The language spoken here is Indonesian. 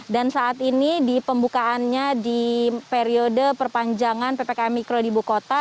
dan saat ini di pembukaannya di periode perpanjangan ppkm mikro di bukota